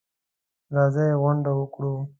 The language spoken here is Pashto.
راځئ غونډه وکړو.